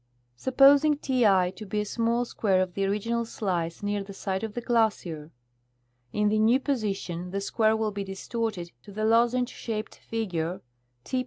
Supposing T i to be a small square of the original slice near the side of the glacier ; in the new position the square will be distorted to the lozenge shaped figure T^ l^.